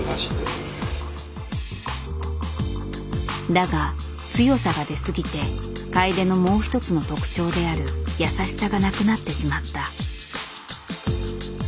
だが強さが出過ぎて楓のもう一つの特徴である優しさがなくなってしまった。